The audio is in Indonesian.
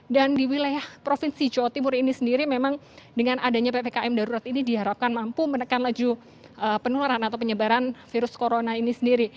dan di wilayah provinsi jawa timur ini sendiri memang dengan adanya ppkm darurat ini diharapkan mampu menekan laju penularan atau penyebaran virus corona ini sendiri